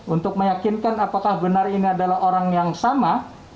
untuk meyakinkan apakah benar ini adalah orang yang sama